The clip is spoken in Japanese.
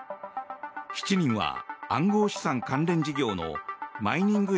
７人は暗号資産関連事業のマイニング